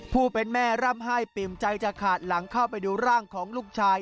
ผู้เป็นแม่ร่ำไห้ปิ่มใจจะขาดหลังเข้าไปดูร่างของลูกชาย